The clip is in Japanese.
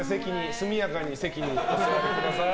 速やかに席に戻ってください。